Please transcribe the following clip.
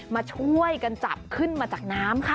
มาช่วยกันจับขึ้นมาจากน้ำค่ะ